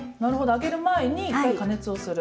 揚げる前に１回加熱をする。